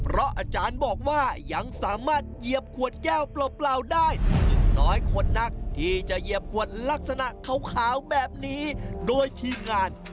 ระหว่างที่อาจารย์กลับลิ้น